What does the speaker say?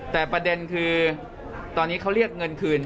แต่ประเด็นคือตอนนี้เขาเรียกเงินคืน